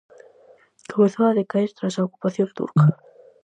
Comezou a decaer tras a ocupación turca.